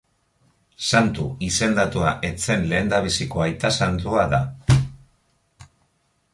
Santu izendatua ez zen lehendabiziko aita santua da.